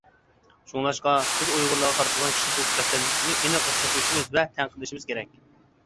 شۇڭلاشقا، بىز ئۇيغۇرلارغا قارىتىلغان كىشىلىك ھوقۇق دەپسەندىچىلىكىنى ئېنىق ئوتتۇرىغا قويۇشىمىز ۋە تەنقىدلىشىمىز كېرەك.